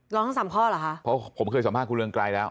ร้องทั้งสามข้อเหรอคะเพราะผมเคยสัมภาษณ์คุณเรืองไกรแล้ว